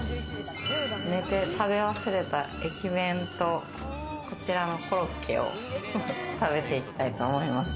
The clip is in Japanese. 寝て、食べ忘れた駅弁とこちらのコロッケを食べていきたいと思います。